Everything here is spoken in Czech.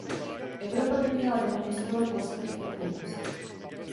Evropa by měla demonstrovat vlastní efektivnost.